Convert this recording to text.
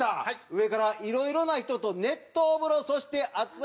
上から「いろいろな人と熱湯風呂そして熱々おでんをやる」。